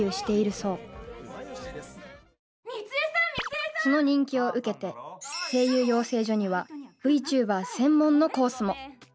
多いときはその人気を受けて声優養成所にはＶＴｕｂｅｒ専門のコースも。